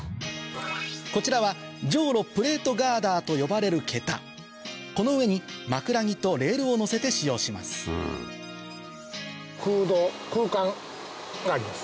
こちらは上路プレートガーダーと呼ばれる桁この上に枕木とレールを載せて使用します空洞空間があります